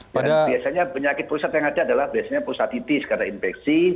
pada biasanya penyakit prostat yang ada adalah biasanya prostatitis karena infeksi